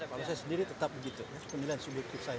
kalau saya sendiri tetap begitu penilaian subjektif saya